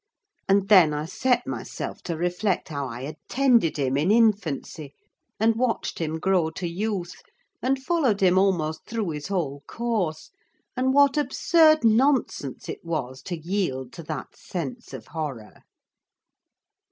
And then I set myself to reflect how I had tended him in infancy, and watched him grow to youth, and followed him almost through his whole course; and what absurd nonsense it was to yield to that sense of horror.